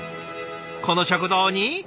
この食堂に。